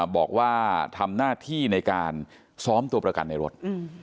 บอกว่าทำหน้าที่ในการซ้อมตัวประกันในรถ